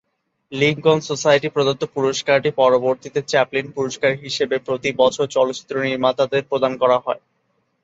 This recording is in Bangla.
লিংকন সোসাইটি প্রদত্ত পুরস্কারটি পরবর্তীতে চ্যাপলিন পুরস্কার হিসেবে প্রতি বছর চলচ্চিত্র নির্মাতাদের প্রদান করা হচ্ছে।